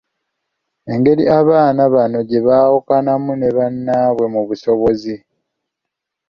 Egeri abaana bano gye baawukanamu ne bannaabwe mu busobozi.